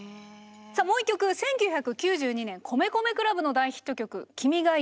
もう一曲１９９２年米米ＣＬＵＢの大ヒット曲「君がいるだけで」。